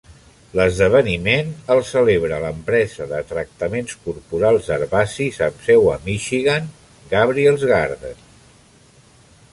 L'esdeveniment el celebra l'empresa de tractaments corporals herbacis amb seu a Michigan: Gabriel's Garden.